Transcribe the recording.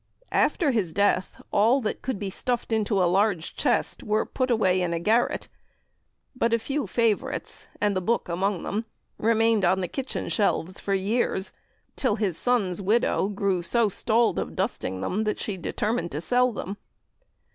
After his death, all that could be stuffed into a large chest were put away in a garret; but a few favourites, and the 'Boke' among them remained on the kitchen shelves for years, till his son's widow grew so 'stalled' of dusting them that she determined to sell them.